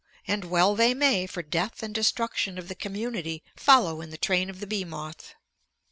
And well they may, for death and destruction of the community follow in the train of the bee moth.